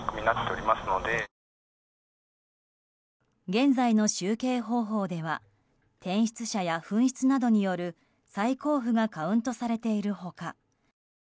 現在の集計方法では転出者や紛失などによる再交付がカウントされている他